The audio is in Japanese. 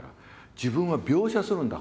自分は描写するんだ